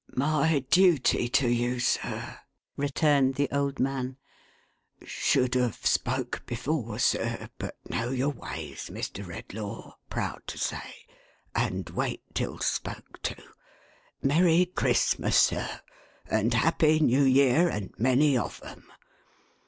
" My duty to you, sir," returned the old man. " Should have spoke before, sir, but know your ways, Mr. Redlaw — proud to say — and wait till spoke to ! Merry Christmas, sir, and happy New Year, and many of 'em.